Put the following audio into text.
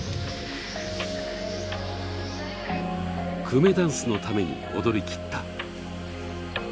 くめだんすのために踊り切った。